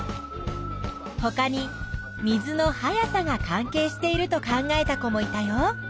ほかに水の速さが関係していると考えた子もいたよ。